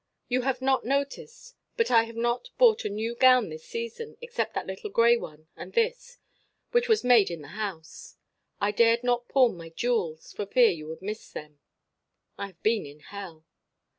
"You have not noticed, but I have not bought a new gown this season except that little gray one and this which was made in the house. I dared not pawn my jewels, for fear you would miss them. "I have been in hell.